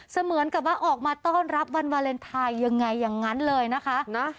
เหมือนกับว่าออกมาต้อนรับวันวาเลนไทยยังไงอย่างนั้นเลยนะคะ